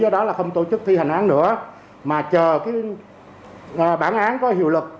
đó là không tổ chức thi hành án nữa mà chờ bản án có hiệu lực